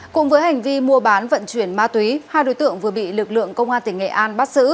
cùng với hành vi mua bán vận chuyển ma túy hai đối tượng vừa bị lực lượng công an tỉnh nghệ an bắt xử